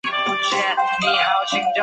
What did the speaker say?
佐藤麻美服务。